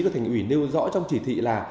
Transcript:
được thành ủy nêu rõ trong chỉ thị là